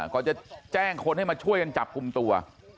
ก่อนจะแจ้งคนให้มาช่วยกันจับกลุ่มตัว